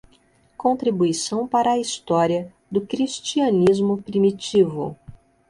Contribuição Para a História do Cristianismo Primitivo